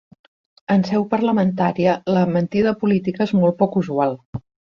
En seu parlamentària, la mentida política és molt poc usual.